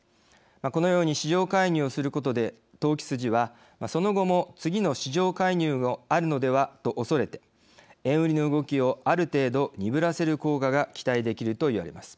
このように市場介入をすることで投機筋はその後も次の市場介入があるのではとおそれて円売りの動きをある程度鈍らせる効果が期待できるといわれます。